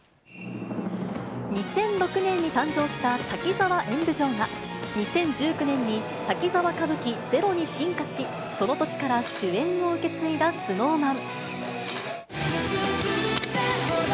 ２００６年に誕生した滝沢演舞城が、２０１９年に滝沢歌舞伎ＺＥＲＯに進化し、その年から、主演を受け継いだＳｎｏｗＭａｎ。